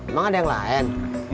emang ada yang lain